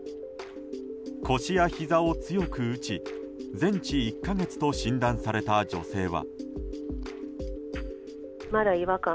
腰やひざを強く打ち全治１か月と診断された女性は。